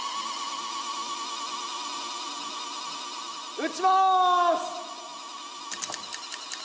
打ちます！